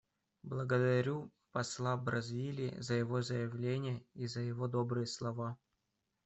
Благодарю посла Бразилии за его заявление и за его добрые слова.